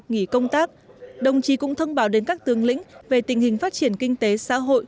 nghỉ công tác đồng chí cũng thông báo đến các tướng lĩnh về tình hình phát triển kinh tế xã hội